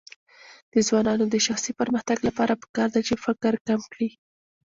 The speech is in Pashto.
د ځوانانو د شخصي پرمختګ لپاره پکار ده چې فقر کم کړي.